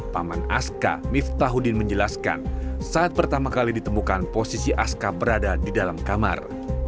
paman aska miftahudin menjelaskan saat pertama kali ditemukan posisi aska berada di dalam kamar